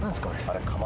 あれ。